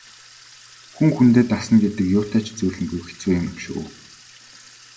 Хүн хүндээ дасна гэдэг юутай ч зүйрлэмгүй хэцүү юм шүү.